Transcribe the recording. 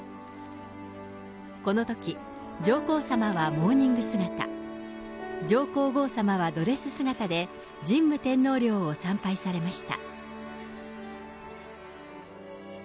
このとき、上皇さまはモーニング姿、上皇后さまはドレス姿で、神武天皇陵を参拝されました。